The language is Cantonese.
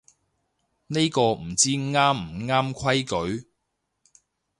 呢個唔知啱唔啱規矩